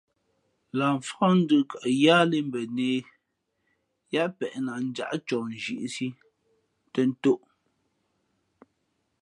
Lah mfák ndʉ̄p kαʼ yáhlēh mbα nehē yáá peʼ nah njáʼ coh nzhīʼsī tᾱ ntōʼ.